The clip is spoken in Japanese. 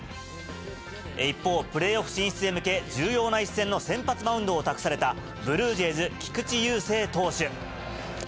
一方、プレーオフ進出へ向け、重要な一戦の先発マウンドを託された、ブルージェイズ、菊池雄星投手。